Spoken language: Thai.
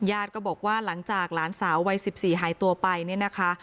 ยาดก็บอกว่าหลังจากหลานสาววัน๑๔หายตัวไปนะคะ